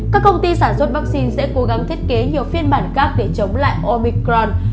các công ty sản xuất vaccine sẽ cố gắng thiết kế nhiều phiên bản khác để chống lại omicron